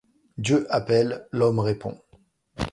Dieu appelle, l'homme répond.